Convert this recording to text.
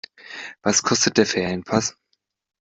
Was kostet der Ferienpass?